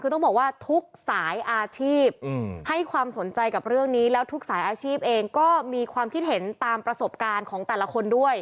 คือต้องบอกว่าทุกสายอาชีพให้ความสนใจกับเรื่องนี้แล้วทุกสายอาชีพเองก็มีความคิดเห็นตามประสบการณ์ของแต่ละคนด้วย